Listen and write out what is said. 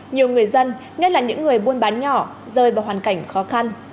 nhiều người dân nhất là những người buôn bán nhỏ rơi vào hoàn cảnh khó khăn